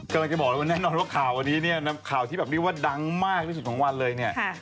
กำลังจะบอกละวันแน่นอนว่าข่าวที่ดังมากในสุดของวันเนี่ย